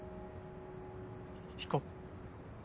行こう。